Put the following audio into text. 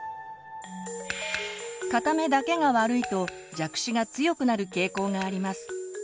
片目だけが悪いと弱視が強くなる傾向があります。